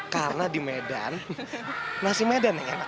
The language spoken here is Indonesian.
karena di medan nasi medan ya